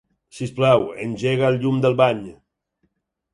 Sisplau, engega el llum del bany.